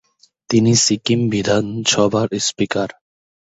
তিনি সিকিম বিধানসভার স্পিকার।